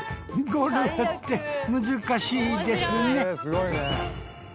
ゴルフって難しいですね